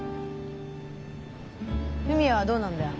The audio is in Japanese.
文也はどうなんだよ。